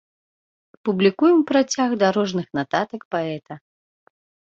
Публікуем працяг дарожных нататак паэта.